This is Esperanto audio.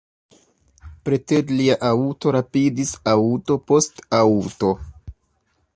Preter lia aŭto rapidis aŭto post aŭto.